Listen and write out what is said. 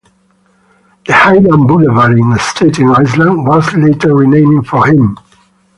The Hylan Boulevard in Staten Island was later renamed for him.